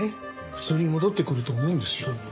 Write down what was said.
普通に戻ってくると思うんですよ。